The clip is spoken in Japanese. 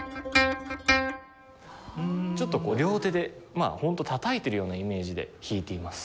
ちょっと両手でホントたたいてるようなイメージで弾いています。